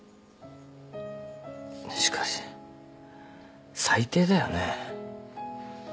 しかし最低だよね。